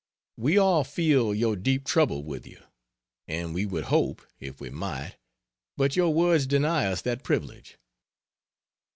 We all feel your deep trouble with you; and we would hope, if we might, but your words deny us that privilege.